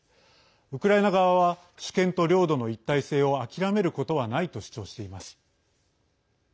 ウクライナ側は主権と領土の一体性を諦めることはないと主張しています。